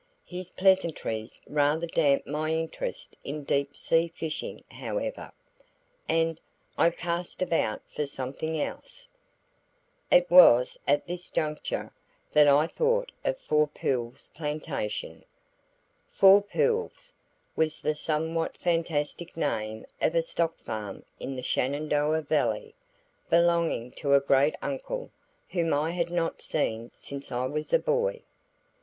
His pleasantries rather damped my interest in deep sea fishing, however, and I cast about for something else. It was at this juncture that I thought of Four Pools Plantation. "Four Pools" was the somewhat fantastic name of a stock farm in the Shenandoah Valley, belonging to a great uncle whom I had not seen since I was a boy.